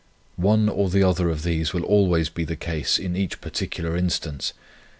One or the other of these will always be the case in each particular instance.